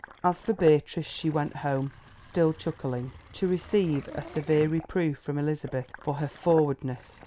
As for Beatrice, she went home, still chuckling, to receive a severe reproof from Elizabeth for her "forwardness."